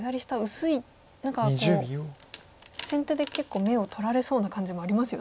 何かこう先手で結構眼を取られそうな感じもありますよね。